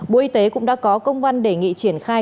bộ y tế cũng đã có công văn đề nghị triển khai